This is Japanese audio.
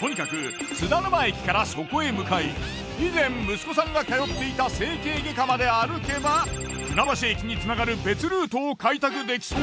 とにかく津田沼駅からそこへ向かい以前息子さんが通っていた整形外科まで歩けば船橋駅につながる別ルートを開拓できそう。